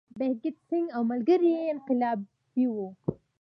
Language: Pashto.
بهګت سینګ او ملګري یې انقلابي وو.